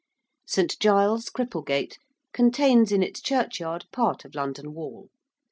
~St. Giles, Cripplegate~, contains in its churchyard part of London Wall.